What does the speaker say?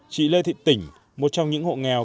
chị lê thị tỉnh một trong những hộ nghèo